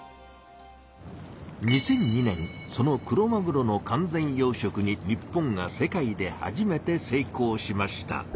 ２００２年そのクロマグロの完全養しょくに日本が世界で初めて成功しました。